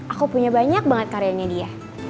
aku punya banyak banget karyanya dia